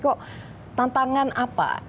kok tantangan apa